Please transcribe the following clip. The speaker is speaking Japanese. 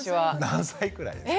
何歳くらいですか？